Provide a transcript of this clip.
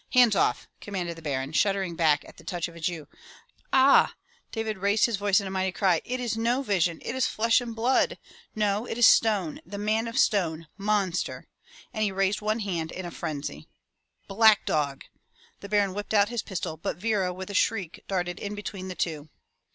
"Hands off!" commanded the Baron, shuddering back at the touch of a Jew. "A ah!" David raised his voice in a mighty cry. "It is no 206 FROM THE TOWER WINDOW vision! It is flesh and blood. No! it is stone, the man of stone. Monster!*' And he raised one hand in a frenzy. "Back, dog!'* the Baron whipped out his pistol, but Vera with a shriek, darted in between the two.